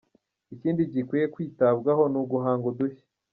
Ikindi gikwiye kwitabwaho ni uguhanga udushya.